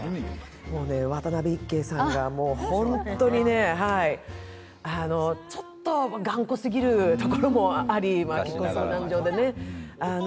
渡辺いっけいさんが本当に、ちょっと頑固すぎるところもあり、結婚相談所でね。